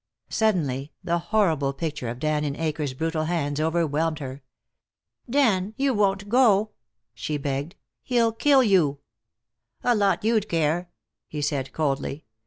Suddenly the horrible picture of Dan in Akers' brutal hands overwhelmed her. "Dan, you won't go?" she begged. "He'll kill you." "A lot you'd care," he said, coldly.